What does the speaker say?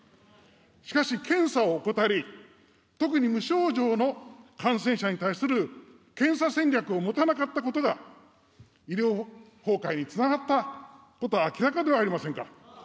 しかし検査を怠り、特に無症状の感染者に対する検査戦略を持たなかったことが、医療崩壊につながったことは明らかではありませんか。